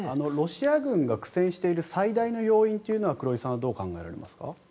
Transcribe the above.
ロシア軍が苦戦している最大の要因というのは黒井さんはどう考えられますか？